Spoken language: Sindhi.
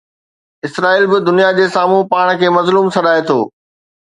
اسرائيل به دنيا جي سامهون پاڻ کي مظلوم سڏائي ٿو.